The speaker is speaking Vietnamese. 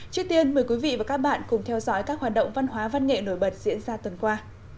trước tiên mời quý vị và các bạn cùng theo dõi các hoạt động văn hóa văn nghệ nổi bật diễn ra tuần qua